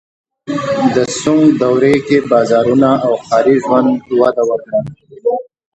د سونګ دورې کې بازارونه او ښاري ژوند وده وکړه.